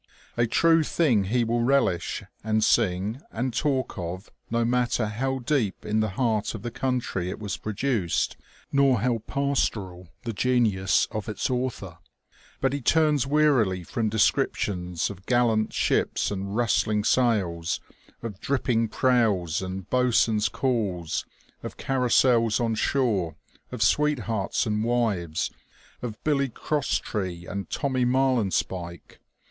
A true thing he will relish, and sing, and talk of, no matter how deep in the heart of the country it was produced, nor how pastoral the genius of its author ; but he turns wearily from descriptions of gallant ships and rustling sails, of dripping prows and boatswains' calls, of carousals on shore, of sweethearts and wives, of Billy Crosstree and Tommy Marlinespike.